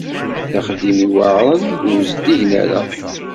D axeddim yuɛren, ur zeddigen ara.